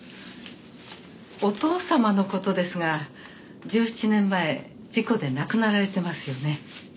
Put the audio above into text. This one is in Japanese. お父様の事ですが１７年前事故で亡くなられてますよね。